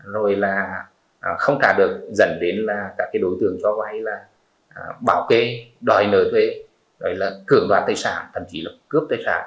rồi là không cả được dẫn đến các đối tượng cho vay là bảo kê đòi nợ thuế rồi là cưỡng đoán tài sản thậm chí là cướp tài sản